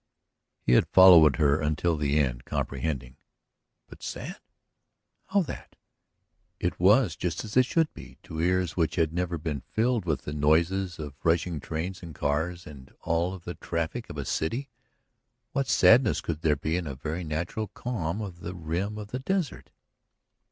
He had followed her until the end, comprehending. But sad? How that? It was just as it should be; to ears which had never been filled with the noises or rushing trains and cars and all of the traffic of a city, what sadness could there be in the very natural calm of the rim of the desert?